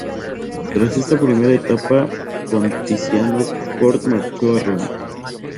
Tras esta primera etapa con Tiziano, Cort marchó a Roma.